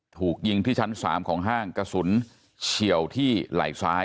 ถูกยิงที่ชั้น๓ของห้างกระสุนเฉียวที่ไหล่ซ้าย